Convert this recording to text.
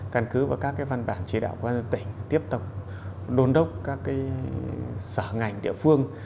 căn cứ và các văn bản chế đạo của văn dân tỉnh tiếp tục đôn đốc các sở ngành địa phương